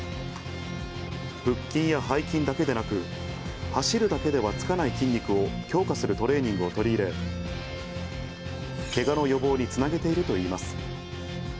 腹筋や背筋だけでなく、走るだけではつかない筋肉を強化するトレーニングを取り入れ、けがの予防につなげているといいます。